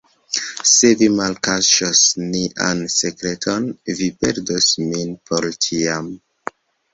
Se vi malkaŝos nian sekreton, vi perdos min por ĉiam.